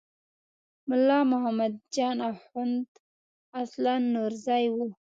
ملا محمد جان اخوند اصلاً نورزی و.